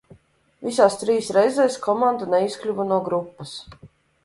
Visās trīs reizēs komanda neizkļuva no grupas.